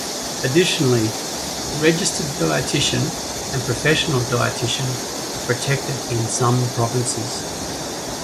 Additionally, 'Registered Dietitian' and 'Professional Dietitian' are protected in some provinces.